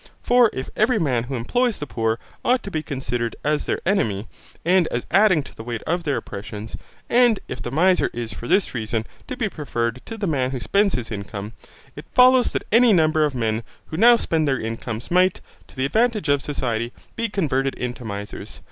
For if every man who employs the poor ought to be considered as their enemy, and as adding to the weight of their oppressions, and if the miser is for this reason to be preferred to the man who spends his income, it follows that any number of men who now spend their incomes might, to the advantage of society, be converted into misers.